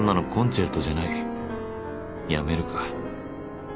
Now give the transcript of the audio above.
やめるか？